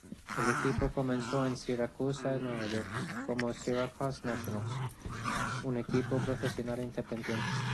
El equipo comenzó en Siracusa, Nueva York, como Syracuse Nationals, un equipo profesional independiente.